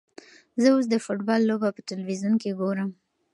زه اوس د فوټبال لوبه په تلویزیون کې ګورم.